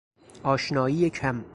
آشنایی کم